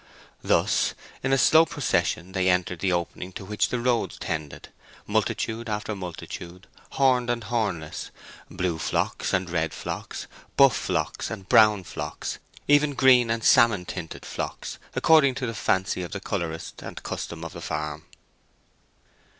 Thus, in a slow procession, they entered the opening to which the roads tended, multitude after multitude, horned and hornless—blue flocks and red flocks, buff flocks and brown flocks, even green and salmon tinted flocks, according to the fancy of the colourist and custom of the farm.